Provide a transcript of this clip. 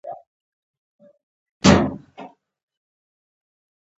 ازادي راډیو د بانکي نظام په اړه د نړیوالو رسنیو راپورونه شریک کړي.